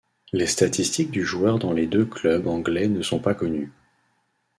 Les statistiques du joueur dans les deux clubs anglais ne sont pas connues.